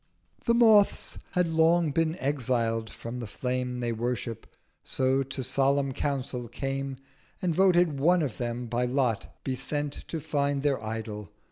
The Moths had long been exiled from the Flame They worship: so to solemn Council came, And voted One of them by Lot be sent To find their Idol.